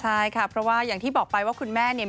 ใช่ค่ะเพราะว่าอย่างที่บอกไปว่าคุณแม่เนี่ย